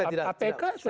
apk sudah ditanggung